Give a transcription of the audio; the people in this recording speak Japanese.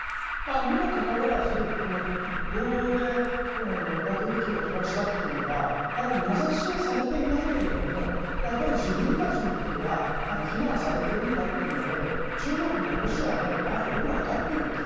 にもかかわらず、合同で爆撃機を飛ばしたというのは名指しはされていないけれどもやっぱり自分たちのことが非難されているんだというのを中国もロシアもよく分かっていると。